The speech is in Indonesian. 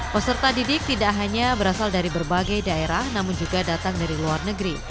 peserta didik tidak hanya berasal dari berbagai daerah namun juga datang dari luar negeri